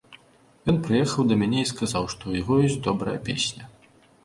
Ён прыехаў да мяне і сказаў, што ў яго ёсць добрая песня.